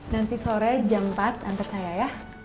nanti sore jam empat antar saya ya